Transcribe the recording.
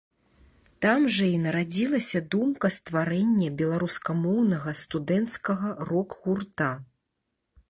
Там жа і нарадзілася думка стварэння беларускамоўнага студэнцкага рок-гурта.